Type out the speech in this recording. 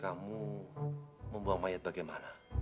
kamu membuang mayat bagaimana